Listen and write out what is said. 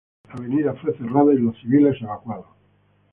La avenida fue cerrada y los civiles evacuados.